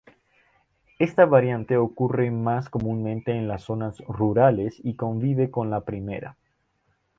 Esta variante ocurre más comúnmente en las zonas rurales y convive con la primera.